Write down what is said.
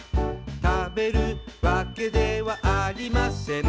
「食べるわけではありません」